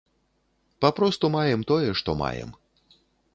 Папросту маем тое, што маем.